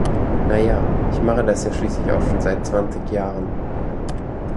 Na ja, ich mache das ja schließlich auch schon seit zwanzig Jahren.